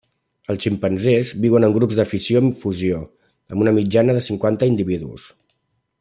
Els ximpanzés viuen en grups de fissió-fusió amb una mitjana de cinquanta individus.